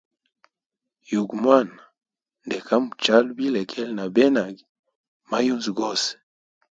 Yugu mwana ndeka muchala bilegele na benage ma yunzu gose.